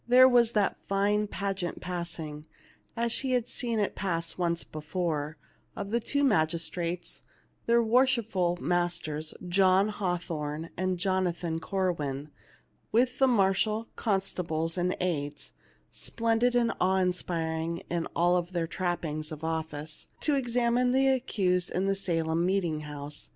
There was that fine pageant passing, as she had seen it pass once before, of the two magistrates, their worshipful masters John Hathorneand Jonathan Corwin, with the marshal, constables, and aids, splendid and awe inspiring in all their trappings of office, to examine the accused in the Salem meeting house.